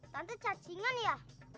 tante cacingan ya